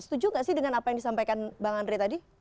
setuju nggak sih dengan apa yang disampaikan bang andre tadi